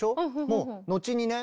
もう後にね